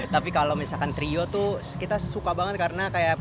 tapi kalau misalkan trio tuh kita suka banget karena kayak